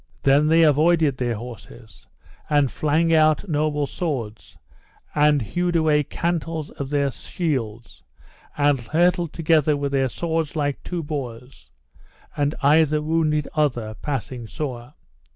Then they avoided their horses, and flang out noble swords, and hewed away cantels of their shields, and hurtled together with their shields like two boars, and either wounded other passing sore.